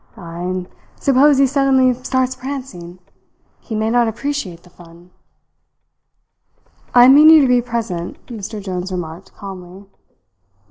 "Ay, and suppose he suddenly starts prancing. He may not appreciate the fun." "I mean you to be present," Mr. Jones remarked calmly.